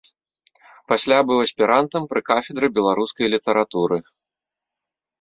Пасля быў аспірантам пры кафедры беларускай літаратуры.